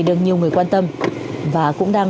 được nhiều người quan tâm và cũng đang